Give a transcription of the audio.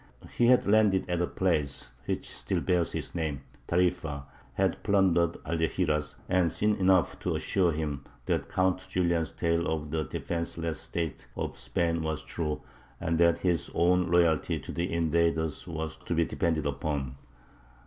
He had landed at the place which still bears his name, Tarīfa, had plundered Algeciras, and seen enough to assure him that Count Julian's tale of the defenceless state of Spain was true, and that his own loyalty to the invaders was to be depended upon.